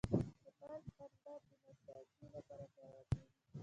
د بلخ پنبه د نساجي لپاره کارول کیږي